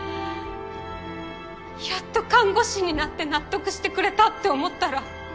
やっと看護師になって納得してくれたって思ったら。